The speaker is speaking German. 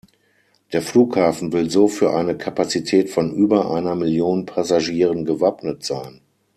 Der Flughafen will so für eine Kapazität von über einer Million Passagieren gewappnet sein.